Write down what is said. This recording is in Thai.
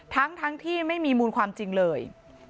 ทั้งที่ไม่มีมูลความจริงเลย